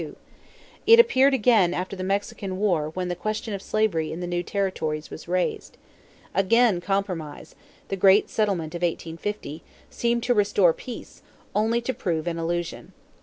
It appeared again after the Mexican war when the question of slavery in the new territories was raised. Again compromise the great settlement of 1850 seemed to restore peace, only to prove an illusion.